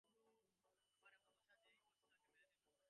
আমার এমন দশা যে, এই ভর্ৎসনাকেও মেনে নিলুম।